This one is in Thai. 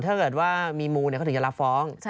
ถ้าเกิดว่ามีมูลเขาถึงจะรับฟ้อง